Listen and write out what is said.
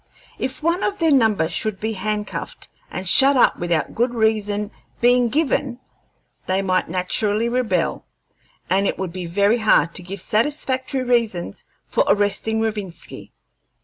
If one of their number should be handcuffed and shut up without good reason being given, they might naturally rebel, and it would be very hard to give satisfactory reasons for arresting Rovinski.